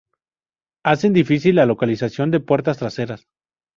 hacen difícil la localización de puertas traseras